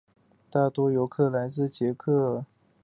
大多数游客来自捷克。